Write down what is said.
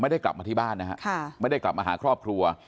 ไม่ได้กลับมาที่บ้านนะฮะไม่ได้กลับมาหาครอบครัว